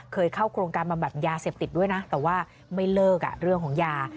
เข้าโครงการบำบัดยาเสพติดด้วยนะแต่ว่าไม่เลิกเรื่องของยา